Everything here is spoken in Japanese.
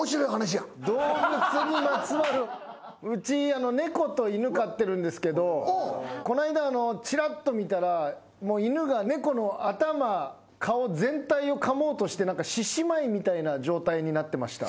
うち猫と犬飼ってるんですけどこの間ちらっと見たら犬が猫の頭顔全体をかもうとして獅子舞みたいな状態になってました。